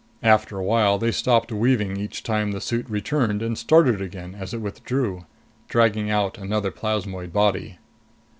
After a while, they stopped weaving each time the suit returned and started again as it withdrew, dragging out another plasmoid body.